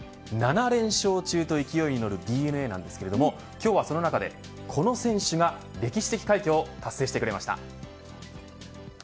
７連勝中と勢いに乗るＤｅＮＡですが今日はその中でこの選手が歴史的快挙を達成してくれました。